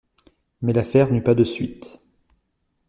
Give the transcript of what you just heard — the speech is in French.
Mais l'affaire n'eut pas de suites.